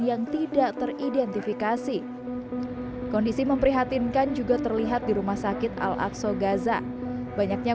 yang tidak teridentifikasi kondisi memprihatinkan juga terlihat di rumah sakit al aqsa gaza banyaknya